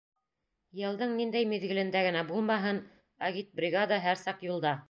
Йылдың ниндәй миҙгелендә генә булмаһын, агитбригада һәр саҡ юлда.